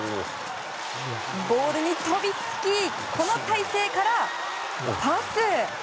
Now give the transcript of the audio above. ボールに飛びつきこの体勢からパス。